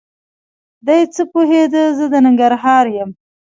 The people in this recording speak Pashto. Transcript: دی څه پوهېده زه د ننګرهار یم؟!